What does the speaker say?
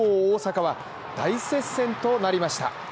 大阪は大接戦となりました。